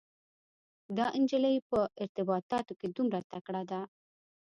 دا انجلۍ په ارتباطاتو کې دومره تکړه ده.